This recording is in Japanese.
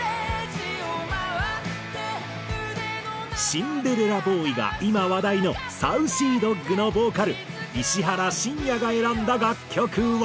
『シンデレラボーイ』が今話題のＳａｕｃｙＤｏｇのボーカル石原慎也が選んだ楽曲は。